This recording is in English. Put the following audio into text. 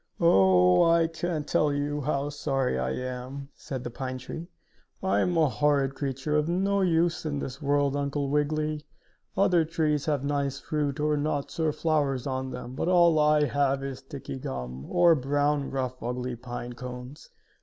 "Oh, I can't tell you how sorry I am," said the pine tree. "I am a horrid creature, of no use in this world, Uncle Wiggily! Other trees have nice fruit or nuts or flowers on them, but all I have is sticky gum, or brown, rough ugly pine cones.